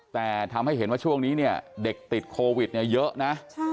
แต่ทำให้เห็นว่าช่วงนี้เนี่ยเด็กติดโควิดเนี่ยเยอะนะ